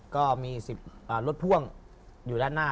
ก็มี๑๐รถพ่วงอยู่ด้านหน้า